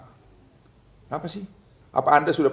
kenapa sih apa anda sudah